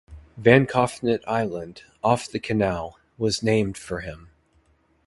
VanKoughnet Island, off the canal, was named for him.